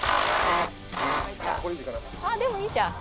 ああでもいいじゃん。